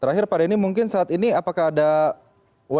terakhir pak denny mungkin saat ini apakah ada upaya